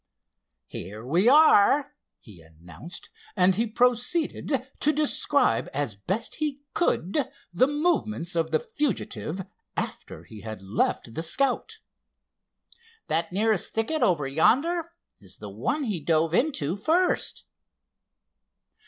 "Here we are," he announced and he proceeded to describe as best he could the movements of the fugitive after he had left the Scout. "That nearest thicket over yonder is the one he dove into first."